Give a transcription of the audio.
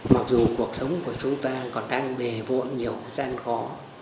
mặc dù cuộc sống của chúng ta còn đang bề vộn nhiều gian khó